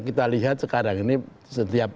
kita lihat sekarang ini setiap